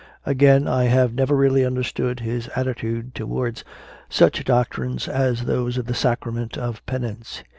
Again, I have never really understood his attitude towards such doctrines as those of the Sacrament of Penance.